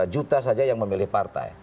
dua juta saja yang memilih partai